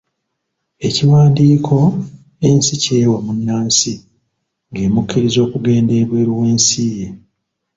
Ekiwandiiko ensi ky'ewa munnansi ng'emukkiriza okugenda ebweru w'ensi ye.